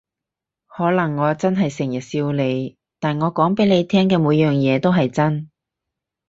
可能我真係成日笑你，但我講畀你聽嘅每樣嘢都係真